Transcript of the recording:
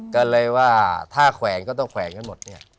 ก็เลยว่าถ้าแขวนก็ต้องแขวนกันหมดเนี่ย